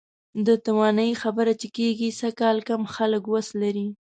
د توانایي خبره چې کېږي، سږکال کم خلک وس لري.